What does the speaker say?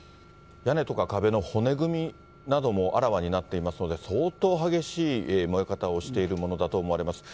屋根とか壁の骨組みなどもあらわになっていますので、相当激しい燃え方をしているものだと思われます。